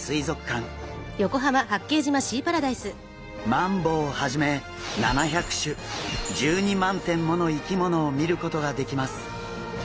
マンボウをはじめ７００種１２万点もの生き物を見ることができます。